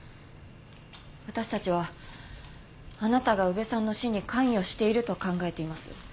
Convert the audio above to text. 私たちはあなたが宇部さんの死に関与していると考えています。